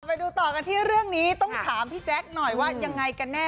ไปดูต่อกันที่เรื่องนี้ต้องถามพี่แจ๊คหน่อยว่ายังไงกันแน่